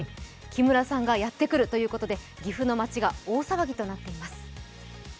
木村さんがやってくるということで岐阜の町が大騒ぎとなっています。